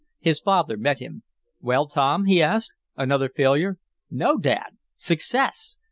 His father met him. "Well, Tom," he asked, "another failure?" "No, Dad! Success!